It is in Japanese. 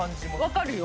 分かるよ。